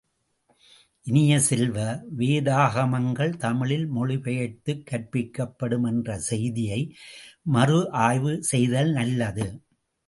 இனிய செல்வ, வேதாகமங்கள் தமிழில் மொழி பெயர்த்துக் கற்பிக்கப்படும் என்ற செய்தியை மறு ஆய்வு செய்தல் நல்லது.